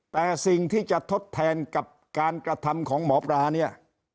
แต่สิ่งที่จะทดแทนกับการกระทำของหมอปลาเนี่ย